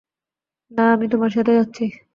না, আমি তোমার সাথে যাচ্ছি।